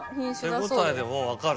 手応えでもう分かる？